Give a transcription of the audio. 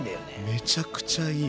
めちゃくちゃいい。